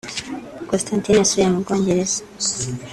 Constantine yasubiye mu Bwongereza